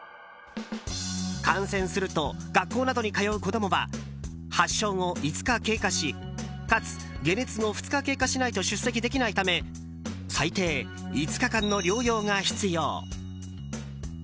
感染すると学校などに通う子供は発症後５日経過しかつ、解熱後２日経過しないと出席できないため最低５日間の療養が必要。